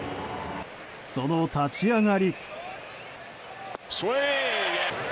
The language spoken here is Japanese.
その立ち上がり。